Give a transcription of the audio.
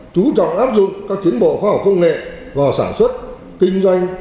chú trọng áp dụng các tiến bộ khoa học công nghệ vào sản xuất kinh doanh